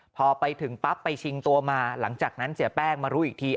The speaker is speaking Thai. พอไปถึงปั๊บไปชิงตัวมาหลังจากนั้นเสียแป้งมารู้อีกที